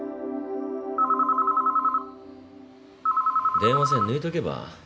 ☎電話線抜いとけば？